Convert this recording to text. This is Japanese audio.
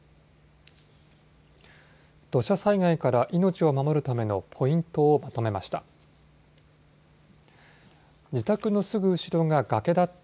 土砂災害から命を守るためのポイントをまとめました。